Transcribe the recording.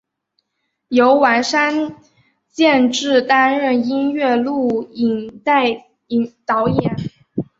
由丸山健志担任音乐录影带导演。